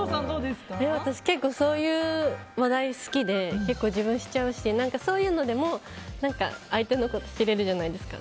私、結構そういう話題が好きで結構自分はしちゃうしそういうのでも相手のこと知れるじゃないですか。